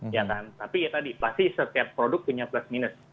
ya kan tapi ya tadi pasti setiap produk punya plus minus